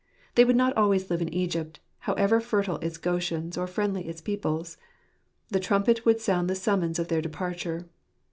They would not always live in Egypt, how ever fertile its Goshens or friendly its peoples. The trumpet would sound the summons of their departure.